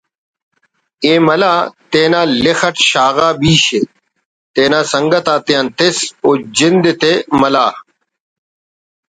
ءِ مَلا تینا لخ اٹ شاغا بیش ءِ تینا سنگت آتے تس وجند تے ملا